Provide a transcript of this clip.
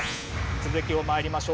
続きを参りましょう。